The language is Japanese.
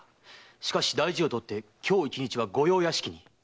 しかし大事をとって今日一日は御用屋敷に。